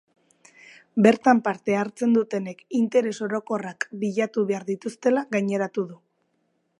Bertan parte hartzen dutenek interes orokorrak bilatu behar dituztela gaineratu du.